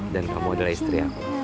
dan kamu adalah istri aku